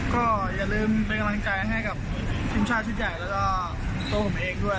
ก็อย่าลืมเป็นกำลังใจให้กับทีมชาติชุดใหญ่แล้วก็ตัวผมเองด้วย